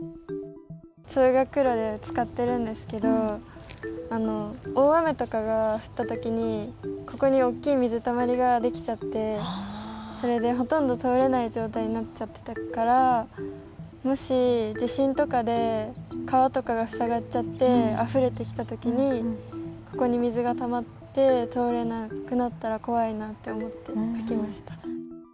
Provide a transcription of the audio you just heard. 通学路で使ってるんですけど、大雨とかが降ったときに、ここに大きい水たまりが出来ちゃって、それでほとんど通れない状態になっちゃってたから、もし、地震とかで川とかが塞がっちゃってあふれてきたときに、ここに水がたまって通れなくなったら怖いなと思って書きました。